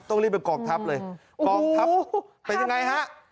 ต้องเรียกเป็นกรองทับเลยโอ้โหเป็นยังไงฮะ